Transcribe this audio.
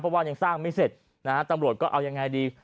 เพราะว่ายังสร้างไม่เสร็จนะฮะตำรวจก็เอายังไงดี